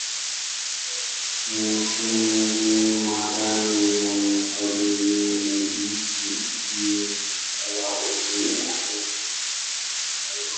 Kimsingi mandhari ya hifadhi hii ni nyasi iliyo wazi na mito.